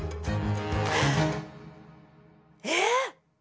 えっ！